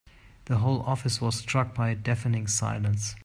The whole office was struck by a deafening silence.